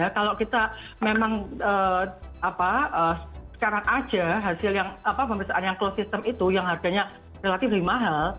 kita memang sekarang saja hasil yang pemirsaan yang closed system itu yang harganya relatif lebih mahal